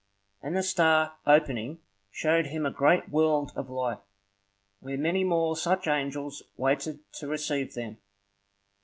And the star, opening, showed him a great world of light, where many more such angels waited to receive them.